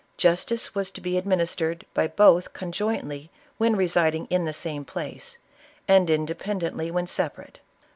Justice was to be administered by both con jointly when residing in the same place, and independ ently when separate.